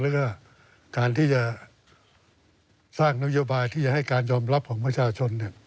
แล้วก็การที่จะสร้างนโยบายที่จะให้การยอมรับของประชาชน